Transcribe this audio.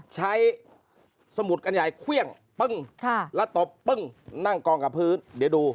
สมุดกันใหญ่เครื่องปึ้งแล้วตบปึ้งนั่งกองกับพื้นเดี๋ยวดู